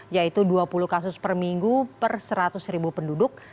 yaitu dua puluh kasus per minggu per seratus ribu penduduk